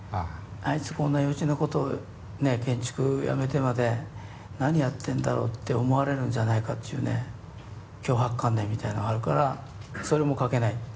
あいつこんな幼稚なことを建築やめてまで何やってんだろうって思われるんじゃないかっていうね強迫観念みたいなのあるからそれも書けない。